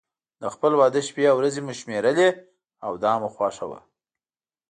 د خپل واده شپې او ورځې مو شمېرله او دا مو خوښ و.